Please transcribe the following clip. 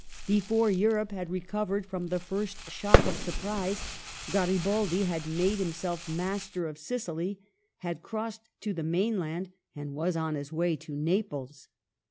Before Europe had recovered from the first shock of surprise, Garibaldi had made himself master of Sicily, had crossed to the mainland and was on his way to Naples.